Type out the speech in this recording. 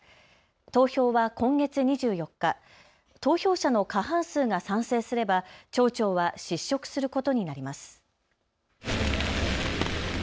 投票は今月２４日、投票者の過半数が賛成すれば町長は失職することになります。